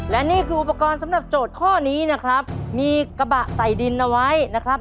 และนี่คืออุปกรณ์สำหรับโจทย์ข้อนี้นะครับมีกระบะใส่ดินเอาไว้นะครับ